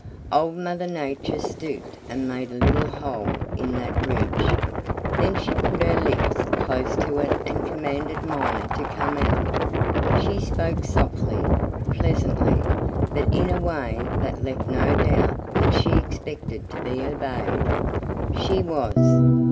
Old Mother Nature stooped and made a little hole in that ridge. Then she put her lips close to it and commanded Miner to come out. She spoke softly, pleasantly, but in a way that left no doubt that she expected to be obeyed. She was.